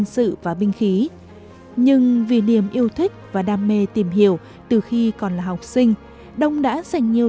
sự và binh khí nhưng vì niềm yêu thích và đam mê tìm hiểu từ khi còn là học sinh đông đã dành nhiều